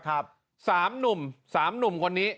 สามหนุ่มสามหนุ่มคนนี้